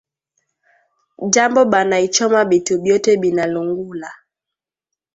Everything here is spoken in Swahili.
Jambo banaichoma bitu byote bina lungula